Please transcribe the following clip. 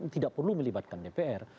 tidak perlu melibatkan dpr